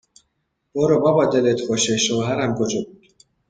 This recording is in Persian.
برو بابا دلت خوشه شوهرم کجا بود